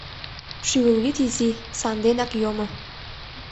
— Шӱвылвӱд изи, санденак йомо.